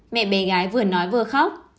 mẹ bé gái vừa nói vừa khóc